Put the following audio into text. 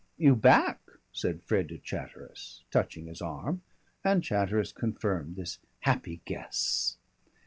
"You back?" said Fred to Chatteris, touching his arm, and Chatteris confirmed this happy guess.